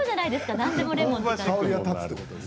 何でもレモンで。